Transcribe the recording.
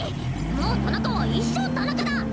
もう田中は一生田中だ！